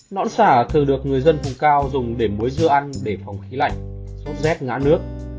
nõn sả thường được người dân phùng cao dùng để muối dưa ăn để phòng khí lạnh sốt rét ngã nước